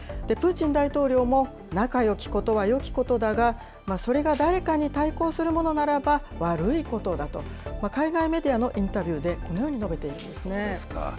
プーチン大統領も、仲よきことはよきことだが、それが誰かに対抗するものならば悪いことだと、海外メディアのインタビューでこのように述べているんですね。